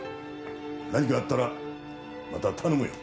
何かあったらまた頼むよ。